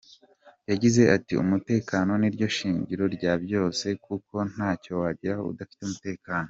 Yagize ati”Umutekano niryo shingiro rya byose, kuko ntacyo wageraho udafite umutekano”.